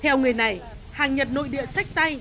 theo người này hàng nhật nội địa sách tay